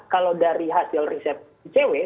kalau dari hasil riset icw